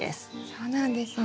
そうなんですね。